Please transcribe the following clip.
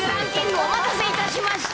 お待たせいたしました。